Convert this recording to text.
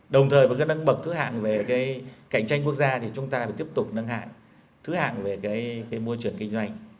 đồng thời với cái nâng bậc thứ hạng về cái cạnh tranh quốc gia thì chúng ta phải tiếp tục nâng hạng thứ hạng về cái môi trường kinh doanh